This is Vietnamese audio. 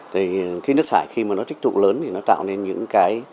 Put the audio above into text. thì cái nước thải khi mà nó tích thụ lớn thì nó tạo nên những cái